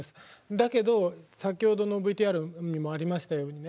だけど先ほどのＶＴＲにもありましたようにね